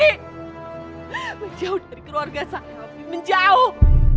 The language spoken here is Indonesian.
menjauh dari keluarga saya afif menjauh